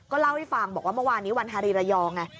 เล่าให้ฟังบอกว่าเมื่อวานนี้วันฮารีระยองไง